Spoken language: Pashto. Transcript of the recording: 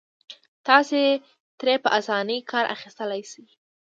تاسې ترې په اسانۍ کار اخيستلای شئ.